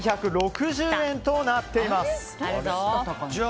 ２１６０円となっています。